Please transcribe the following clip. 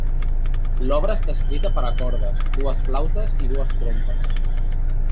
L'obra està escrita per a cordes, dues flautes, i dues trompes.